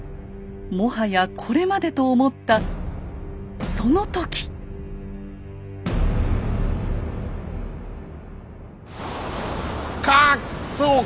もはやこれまでと思ったそうか！